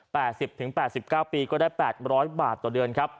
สิบถึงแปดสิบเก้าปีก็ได้แปดร้อยบาทต่อเดือนครับ